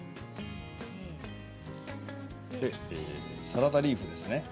サラダリーフですね。